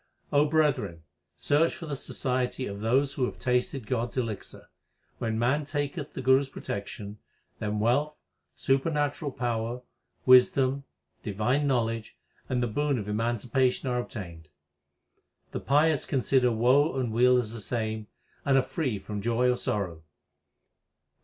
brethren, search for the society of those who have tasted God s elixir. When man taketh the Guru s protection, then wealth, supernatural power, wisdom, divine knowledge, and the boon of emancipation are obtained. The pious consider woe and weal as the same, and are free from joy or sorrow.